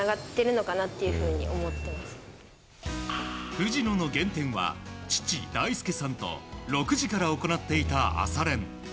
藤野の原点は父・大輔さんと６時から行っていた朝練。